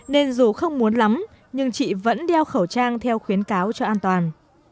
nên dù không muốn lắm nhưng chị vẫn đeo khẩu trang theo khuyến cáo cho an toàn